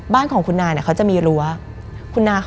มันกลายเป็นรูปของคนที่กำลังขโมยคิ้วแล้วก็ร้องไห้อยู่